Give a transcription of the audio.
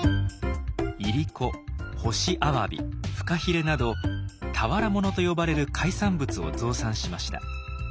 いりこ干しアワビフカヒレなど俵物と呼ばれる海産物を増産しました。